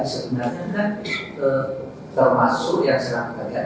sebenarnya termasuk yang sangat kaget